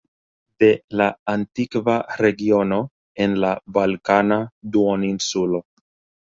De la antikva regiono en la Balkana Duoninsulo.